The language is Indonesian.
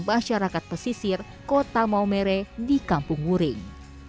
masyarakat pesisir kota maumere di kampung wuring